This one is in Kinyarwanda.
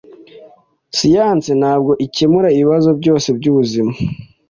siyanse ntabwo ikemura ibibazo byose byubuzima.